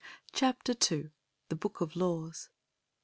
Chapter II. THE BOOK OF LAWS.